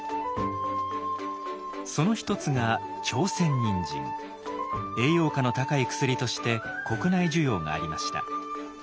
その一つが栄養価の高い薬として国内需要がありました。